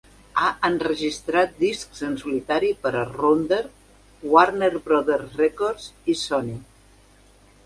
Ha enregistrat discs en solitari per a Rounder, Warner Brothers Records i Sony.